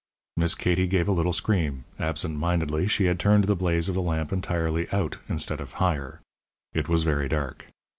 Miss Katie gave a little scream. Absent mindedly she had turned the blaze of the lamp entirely out instead of higher. It was very dark.